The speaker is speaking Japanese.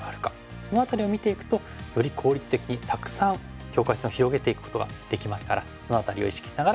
その辺りを見ていくとより効率的にたくさん境界線を広げていくことができますからその辺りを意識しながら打って下さい。